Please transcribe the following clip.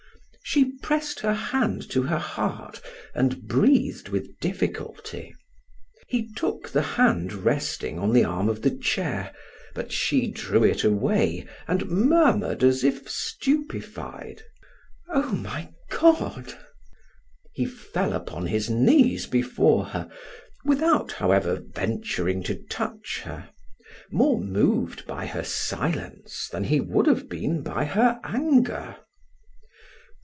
She pressed her hand to her heart and breathed with difficulty. He took the hand resting on the arm of the chair, but she drew it away and murmured as if stupefied: "Oh, my God!" He fell upon his knees before her, without, however, venturing to touch her, more moved by her silence than he would have been by her anger.